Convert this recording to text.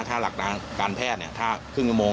ถ้าหลักทางการแพทย์ถ้าครึ่งชั่วโมง